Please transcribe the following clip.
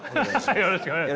よろしくお願いします。